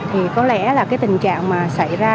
thì có lẽ là cái tình trạng mà xảy ra